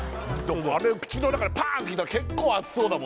あれ口の中でパーンってきたら結構熱そうだ